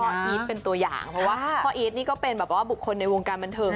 อีทเป็นตัวอย่างเพราะว่าพ่ออีทนี่ก็เป็นแบบว่าบุคคลในวงการบันเทิง